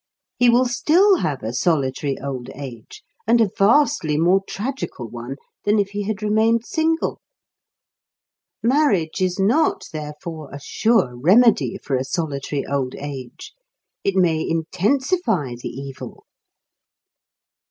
He will still have a solitary old age, and a vastly more tragical one than if he had remained single. Marriage is not, therefore, a sure remedy for a solitary old age; it may intensify the evil.